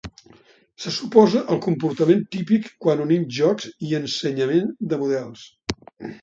Se suposa el comportament típic quan unim jocs i ensenyament de models.